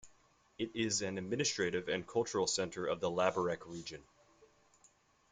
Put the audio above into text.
It is an administrative and cultural centre of the Laborec Region.